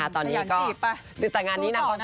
อยากจีบไปสู้ก่อนนะ